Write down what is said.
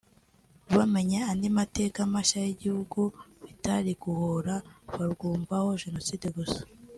bamenye andi mateka mashya y’igihugu bitari guhora barwumvaho Jenoside gusa